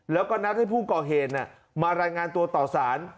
แล้วก็นัดให้ผู้ก่อเหตุมารายงานตัวต่อสาร